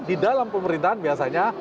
di dalam pemerintahan biasanya